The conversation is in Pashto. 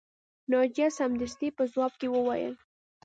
ناجیه سمدستي په ځواب کې وویل